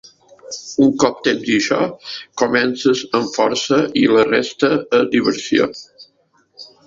Un cop tens això, comences amb força i la resta és diversió.